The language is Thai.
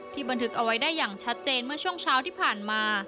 บันทึกเอาไว้ได้อย่างชัดเจนเมื่อช่วงเช้าที่ผ่านมา